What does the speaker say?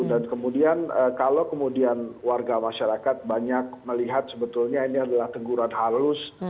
dan kemudian kalau kemudian warga masyarakat banyak melihat sebetulnya ini adalah tengguran halus